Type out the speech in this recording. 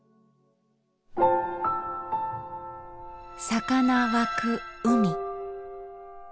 魚湧く海。